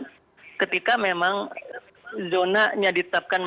dan ketika memang zonanya ditetapkan